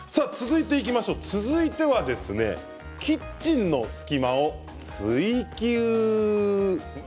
続いてはキッチンの隙間を「ツイＱ」。